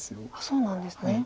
そうなんですね。